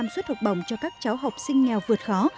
một trăm ba mươi năm xuất hộp bồng cho các cháu học sinh nghèo vượt khó